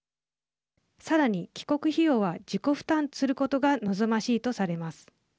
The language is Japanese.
さらに、帰国費用は自己負担することが望ましいとされます。